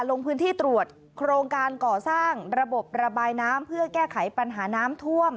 ลงพื้นที่ตรวจโครงการก่อสร้างระบบระบายน้ำเพื่อแก้ไขปัญหาน้ำท่วม